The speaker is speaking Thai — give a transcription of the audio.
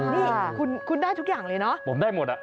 นี่คุณได้ทุกอย่างเลยเนอะผมได้หมดอ่ะ